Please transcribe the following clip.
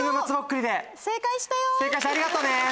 正解したよ！ありがとね。